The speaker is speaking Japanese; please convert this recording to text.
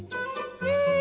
うん！